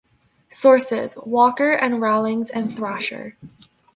Sources: Walker and Rallings and Thrasher.